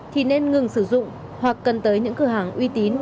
thì nên ngừng sử dụng hoặc cần tới những cửa hàng uy tín